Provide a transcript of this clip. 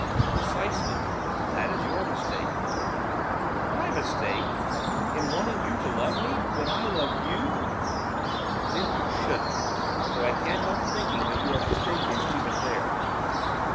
'Precisely, that is your mistake.' 'My mistake! in wanting you to love me! when I love you ' 'Then you shouldn't, though I can't help thinking that you are mistaken even there.